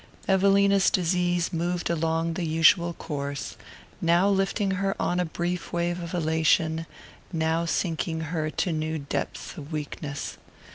Evelina's disease moved on along the usual course, now lifting her on a brief wave of elation, now sinking her to new depths of weakness.